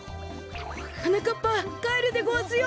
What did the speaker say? はなかっぱかえるでごわすよ。